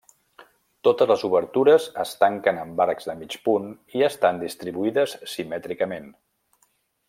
Totes les obertures es tanquen amb arcs de mig punt i estan distribuïdes simètricament.